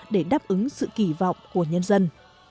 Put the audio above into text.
với sự kỳ vọng của nhân dân